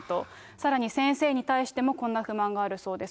さらに先生に対しても、こんな不満があるそうです。